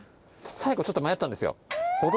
最後ちょっと迷ったんですよ。